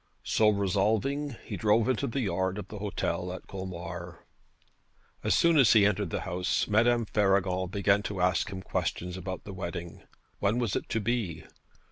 So resolving, he drove into the yard of the hotel at Colmar. As soon as he entered the house Madame Faragon began to ask him questions about the wedding. When was it to be?